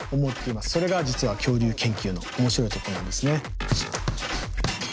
それが実は恐竜研究の面白いところなんですね。